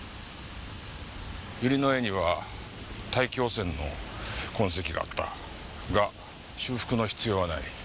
ユリの絵には大気汚染の痕跡があったが修復の必要はない。